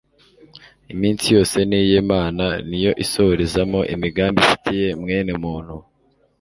Iminsi yose ni iy’Imana, ni yo isohorezamo imigambi ifitiye mwene muntu